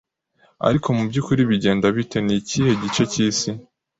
ariko mubyukuri bigenda biteNi ikihe gice cy'isi